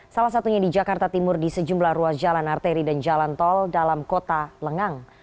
salah satunya di jakarta timur di sejumlah ruas jalan arteri dan jalan tol dalam kota lengang